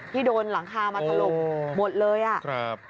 ที่โดนหลังคามาทะลมหมดเลยอ่ะ